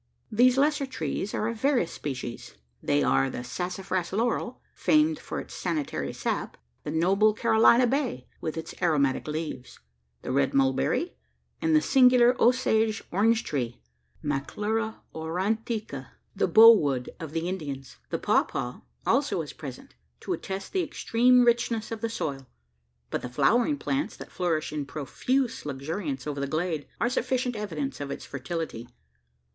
These lesser trees are of various species. They are the sassafras laurel, famed for its sanitary sap; the noble Carolina bay, with its aromatic leaves; the red mulberry: and the singular Osage orange tree (Maclura aurantica), the "bow wood" of the Indians. The pawpaw also is present, to attest the extreme richness of the soil; but the flowering plants, that flourish in profuse luxuriance over the glade, are sufficient evidence of its fertility.